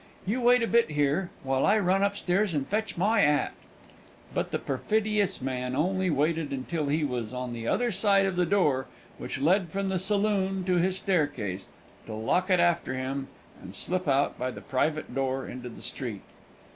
You wait a bit here, while I run upstairs and fetch my 'at." But the perfidious man only waited until he was on the other side of the door, which led from the saloon to his staircase, to lock it after him, and slip out by the private door into the street.